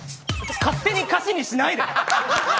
勝手に歌詞しないで。